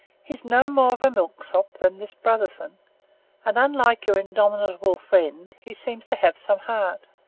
He's no more of a milksop than this Brotherson; and unlike your indomitable friend he seems to have some heart.